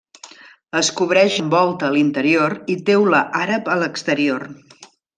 Es cobreix amb volta a l'interior i teula àrab a l'exterior.